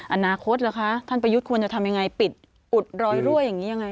อนาคตเหรอคะท่านประยุทธ์ควรจะทำยังไงปิดอุดรอยรั่วอย่างนี้ยังไง